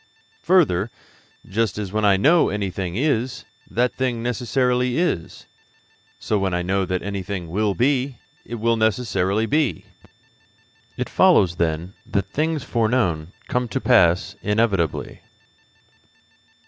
Further, just as when I know that anything is, that thing necessarily is, so when I know that anything will be, it will necessarily be. It follows, then, that things foreknown come to pass inevitably.